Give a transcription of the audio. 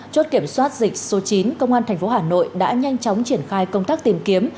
chốt kiểm soát dịch số chín công an tp hà nội đã nhanh chóng triển khai công tác tìm kiếm